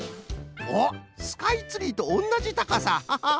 おっスカイツリーとおんなじたかさ！